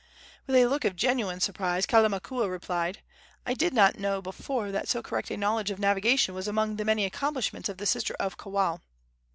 With a look of genuine surprise Kalamakua replied: "I did not know before that so correct a knowledge of navigation was among the many accomplishments of the sister of Kawao."